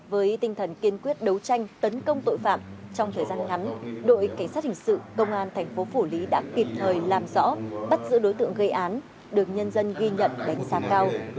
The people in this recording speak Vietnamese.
với tinh thần kiên quyết đấu tranh tấn công tội phạm trong thời gian ngắn đội cảnh sát hình sự công an thành phố phủ lý đã kịp thời làm rõ bắt giữ đối tượng gây án được nhân dân ghi nhận đánh giá cao